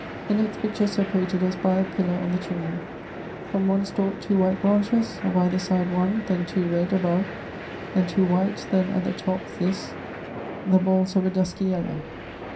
The next picture separated as by a pillar on the chimney: from one stalke, two white branches, of either side one; then two red, above; then two white; then at the top this, the balls of a dusky yellow.